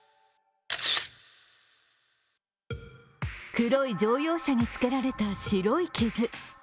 黒い乗用車につけられた白い傷。